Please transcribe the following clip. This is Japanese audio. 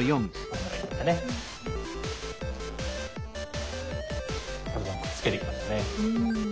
くっつけていきましたね。